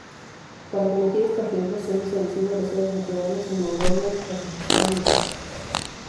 Para combatir estos riesgos se han establecido reservas naturales en Mongolia, Kazajistán y Rusia.